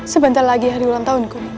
sebentar lagi hari ulang tahunku